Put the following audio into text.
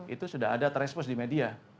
itu sudah ada transpos di media